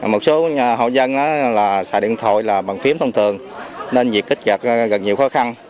một số hộ dân xài điện thoại bằng phím thông thường nên việc kích gạt gần nhiều khó khăn